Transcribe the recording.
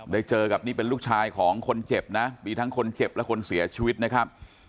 เจอกับนี่เป็นลูกชายของคนเจ็บนะมีทั้งคนเจ็บและคนเสียชีวิตนะครับ